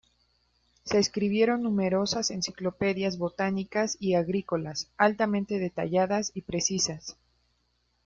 Se escribieron numerosas enciclopedias botánicas y agrícolas, altamente detalladas y precisas.